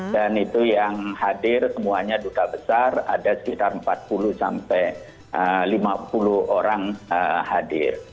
dan itu yang hadir semuanya duta besar ada sekitar empat puluh sampai lima puluh orang hadir